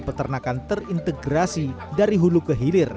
peternakan terintegrasi dari hulu ke hilir